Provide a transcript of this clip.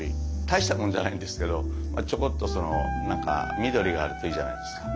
大したものじゃないんですけどちょこっとその何か緑があるといいじゃないですか。